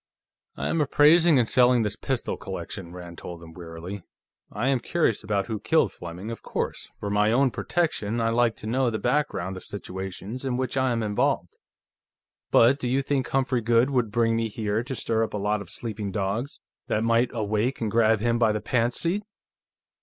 "I am appraising and selling this pistol collection," Rand told him wearily. "I am curious about who killed Fleming, of course; for my own protection I like to know the background of situations in which I am involved. But do you think Humphrey Goode would bring me here to stir up a lot of sleeping dogs that might awake and grab him by the pants seat?